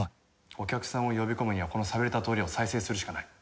お客さんを呼び込むにはこの寂れた通りを再生するしかない。